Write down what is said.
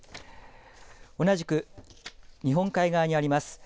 同じく日本海側にあります